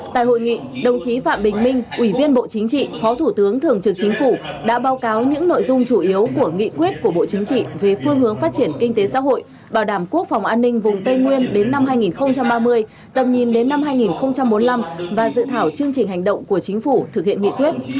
tại hội nghị đồng chí phạm bình minh ủy viên bộ chính trị phó thủ tướng thường trực chính phủ đã báo cáo những nội dung chủ yếu của nghị quyết của bộ chính trị về phương hướng phát triển kinh tế xã hội bảo đảm quốc phòng an ninh vùng tây nguyên đến năm hai nghìn ba mươi tầm nhìn đến năm hai nghìn bốn mươi năm và dự thảo chương trình hành động của chính phủ thực hiện nghị quyết